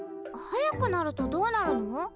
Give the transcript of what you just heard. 速くなるとどうなるの？